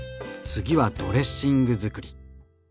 次はドレッシングづくり。